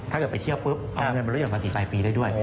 ถ้าเกิดไปเที่ยวปุ๊บเอาเงินมาลดภาษีปลายปีได้ด้วย